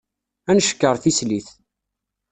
Ad ncekker tislit.